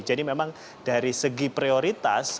jadi memang dari segi prioritas